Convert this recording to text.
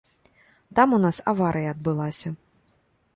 Там у нас аварыя адбылася.